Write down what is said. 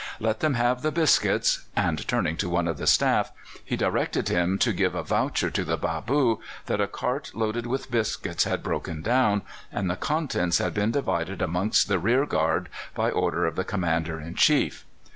Let them have the biscuits,' and turning to one of the staff, he directed him to give a voucher to the bâboo that a cart loaded with biscuits had broken down, and the contents had been divided amongst the rearguard by order of the Commander in Chief.